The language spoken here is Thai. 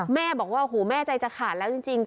แม่บอกว่าหูแม่ใจจะขาดแล้วจริง